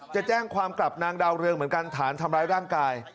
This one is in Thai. จะแจ้งความกลับนางดาวเรืองเหมือนกันฐานทำร้ายร่างกาย